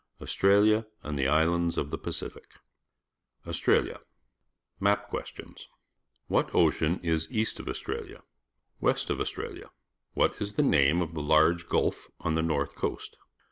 AUSTRALIA AND THE ISLANDS OF THE PACIFIC AUSTRALIA^^Aa Map Questions. — 'VMiat ocean is east of Australia? West of Australia? What is the name of the large gulf on the north coast?